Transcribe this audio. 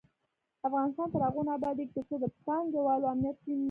افغانستان تر هغو نه ابادیږي، ترڅو د پانګه والو امنیت ټینګ نشي.